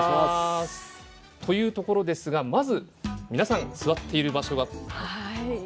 というところですがまず皆さん座っている場所が。